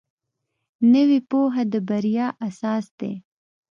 نوې پوهه د بریا اساس دی